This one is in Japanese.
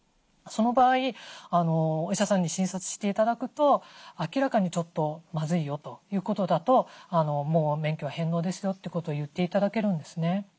その場合お医者さんに診察して頂くと明らかにちょっとまずいよということだともう免許は返納ですよってことを言って頂けるんですね。